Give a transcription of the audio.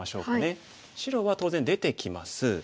白は当然出てきます。